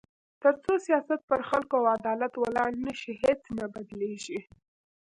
تر څو سیاست پر خلکو او عدالت ولاړ نه شي، هیڅ نه بدلېږي.